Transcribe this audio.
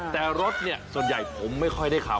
แต่รถเนี่ยส่วนใหญ่ผมไม่ค่อยได้ขับ